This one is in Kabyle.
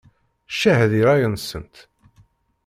Ccah di ṛṛay-nsent!